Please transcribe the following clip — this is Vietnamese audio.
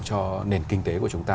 cho nền kinh tế của chúng ta